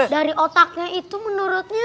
dari otaknya itu menurutnya